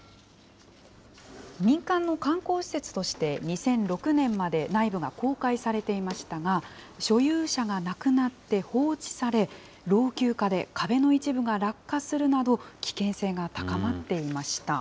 民間の観光施設として２００６年まで内部が公開されていましたが、所有者が亡くなって放置され、老朽化で壁の一部が落下するなど、危険性が高まっていました。